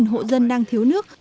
tám hộ dân đang thiếu nước